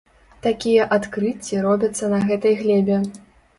Такія адкрыцці робяцца на гэтай глебе!